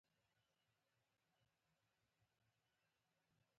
چې زه بې سده شوې وم.